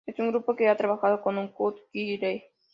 Es un grupo que a trabajado con cut killer.